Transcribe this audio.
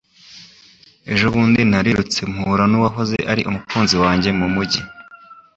Ejo bundi narirutse mpura nuwahoze ari umukunzi wanjye mumujyi